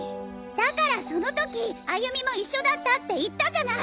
だからその時歩美も一緒だったって言ったじゃない！